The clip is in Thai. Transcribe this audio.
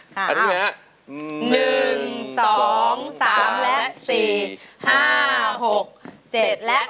๑๒๓และ๔๕๖๗และ๘